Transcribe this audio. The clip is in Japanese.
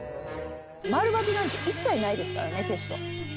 マルバツなんて一切ないですからねテスト。